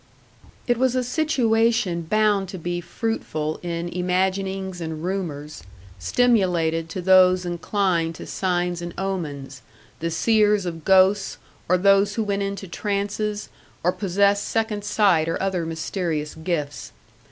It was a situation bound to be fruitful in imaginings and rumours, stimulated to those inclined to signs and omens the seers of ghosts, or those who went into trances, or possessed second sight or other mysterious gifts.